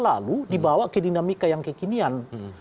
lalu dibawa ke dinamika yang kekinian